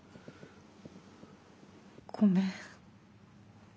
ごめん。